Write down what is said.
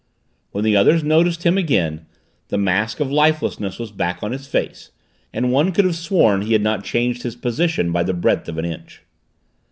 When the others noticed him again, the mask of lifelessness was back on his face and one could have sworn he had not changed his position by the breadth of an inch.